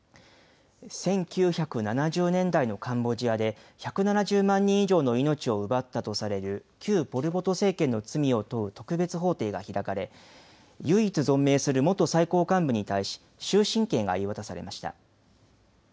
１９７０年代のカンボジアで１７０万人以上の命を奪ったとされる旧ポル・ポト政権の罪を問う特別法廷が開かれ、唯一存命する元最高幹部に対し終身刑が言い渡されました。